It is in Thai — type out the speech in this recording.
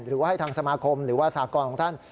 หรือว่าให้ทางสมาคมหรือว่าสากรของท่าน